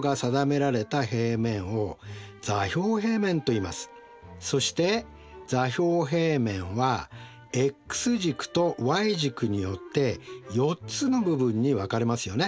でこのようにそして座標平面はｘ軸とｙ軸によって４つの部分に分かれますよね。